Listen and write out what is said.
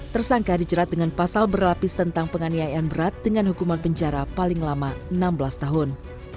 tersangka dijerat dengan pasal berlapis tentang penganiayaan berat dengan hukuman penjara paling lama enam belas tahun